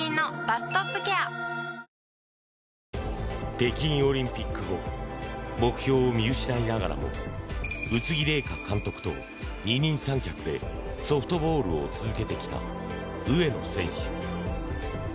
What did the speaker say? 北京オリンピック後目標を見失いながらも宇津木麗華監督と二人三脚でソフトボールを続けてきた上野選手。